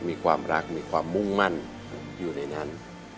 มีความรักมีความมุ่งมั่นอยู่ในนั้น